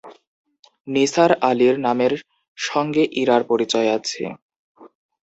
নিসার আলির নামের সঙ্গে ইরার পরিচয় আছে।